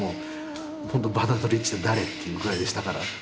バーナード・リーチって誰？っていうぐらいでしたから。